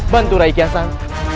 bantu rai kiasan